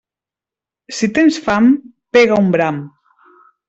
Si tens fam, pega un bram.